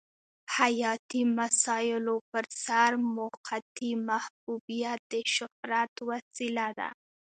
حیاتي مسایلو پرسر موقتي محبوبیت د شهرت وسیله ده.